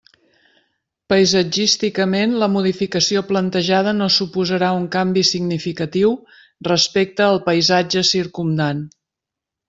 Paisatgísticament la modificació plantejada no suposarà un canvi significatiu respecte al paisatge circumdant.